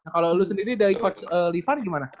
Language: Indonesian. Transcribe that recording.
kalau lu sendiri dari coach livan gimana